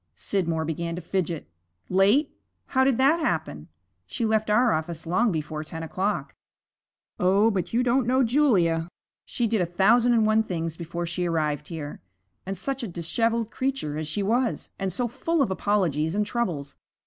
Scidmore began to fidget. 'Late? How did that happen? She left our office long before ten o'clock.' 'Oh, but you don't know Julia! She did a thousand and one things before she arrived here. And such a disheveled creature as she was! And so full of apologies and troubles!